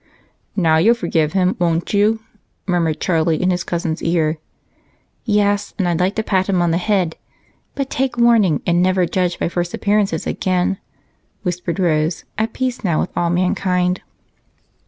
"Now you'll forgive him, won't you?" murmured Charlie in his cousin's ear. "Yes, and I'd like to pat him on the head. But take warning and never judge by first appearances again," whispered Rose, at peace now with all mankind.